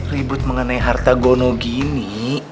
ribut mengenai harta gono gini